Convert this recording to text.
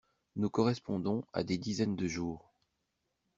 Nous correspondons à des dizaines de jours.